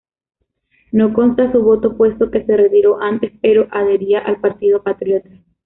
No consta su voto puesto que se retiró antes, pero adhería al partido patriota.